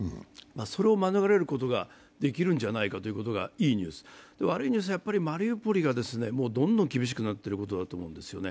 それを免れることができるんじゃないかということが、いいニュース悪いニュースはマリウポリがどんどん厳しくなっていることだと思うんです。